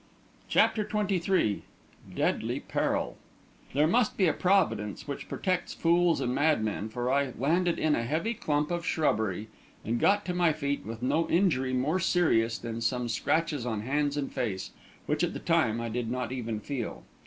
CHAPTER XXIII DEADLY PERIL There must be a providence which protects fools and madmen, for I landed in a heavy clump of shrubbery, and got to my feet with no injury more serious than some scratches on hands and face, which at the time I did not even feel.